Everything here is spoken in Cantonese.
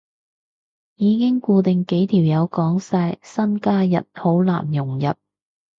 已經固定幾條友講晒，新加入好難融入